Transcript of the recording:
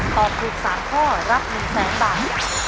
ตอบถูก๓ข้อรับ๑๐๐๐บาท